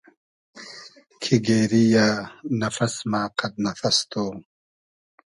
کی گېری یۂ نئفئس مۂ قئد نئفئس تو